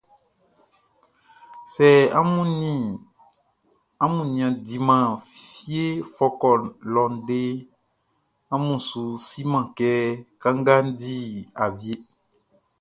Sɛ amun nin a diman fie fɔkɔ lɔ deʼn, amun su siman kɛ kanga di awieʼn.